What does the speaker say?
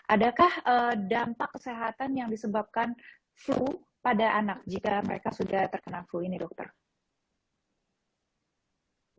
adakah dampak kesehatan yang disebabkan flu pada anak jika mereka sudah terkena flu ini dokter